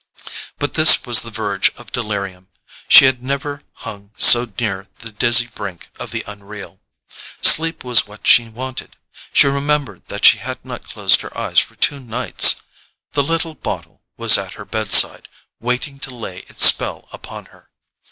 But this was the verge of delirium ... she had never hung so near the dizzy brink of the unreal. Sleep was what she wanted—she remembered that she had not closed her eyes for two nights. The little bottle was at her bed side, waiting to lay its spell upon her.